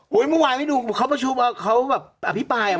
เฮ้ยเมื่อวายเมี่ยดูเข้าประชุมเค้าแบบอภิปราย